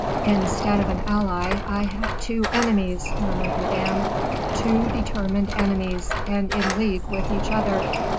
"Instead of an ally, I have two enemies," murmured Madame; "two determined enemies, and in league with each other."